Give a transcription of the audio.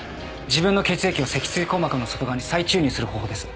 自分の血液を脊椎硬膜の外側に再注入する方法です。